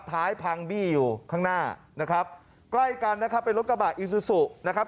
พังบี้อยู่ข้างหน้านะครับใกล้กันนะครับเป็นรถกระบะอีซูซูนะครับ